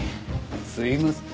すいません。